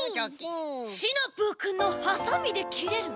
シナプーくんの「ハサミできれる」！